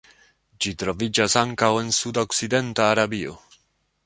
Ĝi troviĝas ankaŭ en sudokcidenta Arabio.